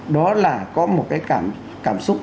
đó là có một cái cảm xúc